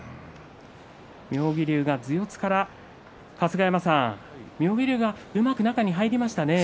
妙義龍が頭四つから春日山さん、妙義龍がうまく中に入りましたね。